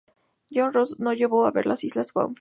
John Ross no llegó a ver las "islas Beaufort".